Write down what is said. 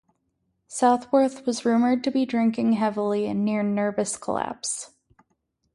Southworth was rumored to be drinking heavily and near nervous collapse.